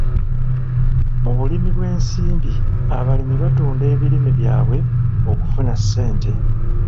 Mu bulimi bw'esimbi, abalimi batunda ebirime byabwe okufuna ssente .